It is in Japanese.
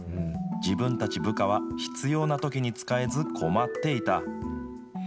自分たち部下は必要なときに使えず困っていた。